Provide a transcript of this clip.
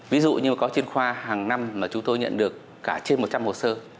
ví dụ như có chuyên khoa hàng năm mà chúng tôi nhận được cả trên một trăm linh hồ sơ